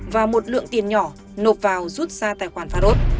và một lượng tiền nhỏ nộp vào rút ra tài khoản pharos